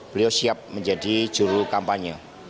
beliau siap menjadi juru kampanye